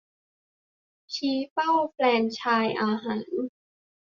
ชี้เป้าแฟรนไชส์อาหาร